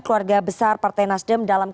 keluarga besar partai nasdem dalam